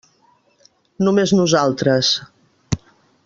Només nosaltres.